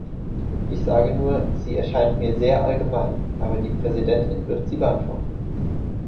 Ich sage nur, sie erscheint mir sehr allgemein, aber die Präsidentin wird sie beantworten.